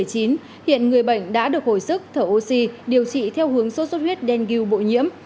hiện người bệnh đã được hồi sức thở oxy điều trị theo hướng sốt sốt huyết đen ghiêu bội nhiễm